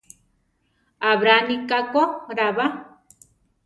Abrani ká ko ra ba.